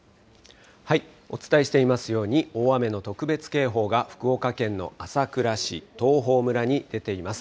お伝えしていますように、大雨の特別警報が福岡県の朝倉市、東峰村に出ています。